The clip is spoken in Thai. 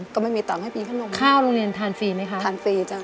ก็ไม่มีตังค์ให้พี่เขาลงข้าวโรงเรียนทานฟรีไหมคะทานฟรีจ้ะ